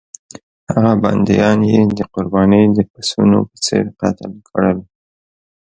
هغه بندیان یې د قربانۍ د پسونو په څېر قتل کړل.